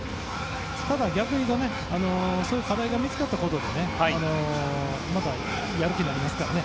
ただ、逆に言うとそういう課題が見つかったことでまたやる気になりますからね。